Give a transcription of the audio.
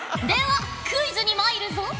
ではクイズにまいるぞ。